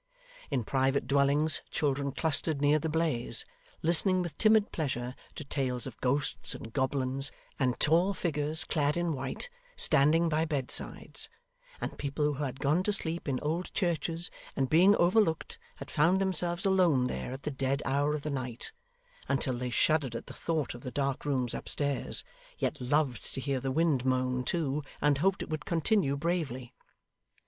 In private dwellings, children clustered near the blaze; listening with timid pleasure to tales of ghosts and goblins, and tall figures clad in white standing by bed sides, and people who had gone to sleep in old churches and being overlooked had found themselves alone there at the dead hour of the night: until they shuddered at the thought of the dark rooms upstairs, yet loved to hear the wind moan too, and hoped it would continue bravely.